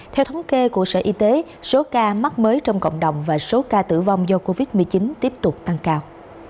theo thống kê của sở y tế số ca mắc mới trong cộng đồng và số ca tử vong do covid một mươi chín tiếp tục tăng cao